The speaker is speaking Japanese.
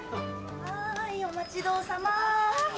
はいお待ちどおさま。